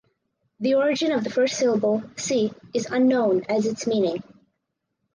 The origin of the first syllable "si" is unknown as is its meaning.